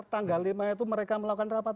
tanggal lima itu mereka melakukan rapat